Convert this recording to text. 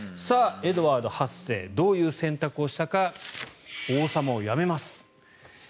エドワード８世どういう選択をしたか王様をやめます。